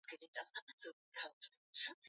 o vipi hapo kwa rais ajae yeyote tu yule atakae